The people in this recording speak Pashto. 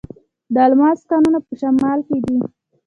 د الماس کانونه په شمال کې دي.